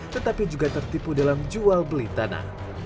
tetapi juga tertipu dalam jual beli tanah